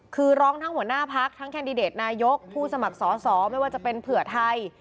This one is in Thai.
คือร้องทั้งหัวหน้าพักทั้งแคนดิเดตนายกผู้สมัครสอสอไม่ว่าจะเป็นเผื่อไทย